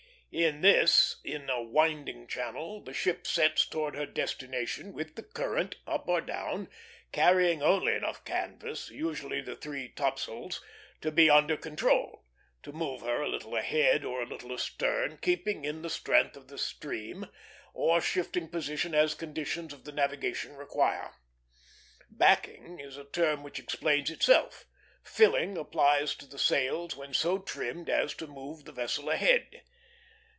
In this, in a winding channel, the ship sets towards her destination with the current, up or down, carrying only enough canvas, usually the three topsails, to be under control; to move her a little ahead, or a little astern, keeping in the strength of the stream, or shifting position as conditions of the navigation require. Backing is a term which explains itself; filling applies to the sails when so trimmed as to move the vessel ahead.